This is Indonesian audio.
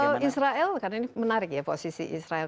kalau israel karena ini menarik ya posisi israel